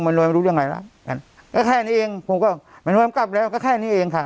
แม่น้อยไม่รู้ยังไงล่ะก็แค่นี้เองแม่น้อยกลับแล้วก็แค่นี้เองค่ะ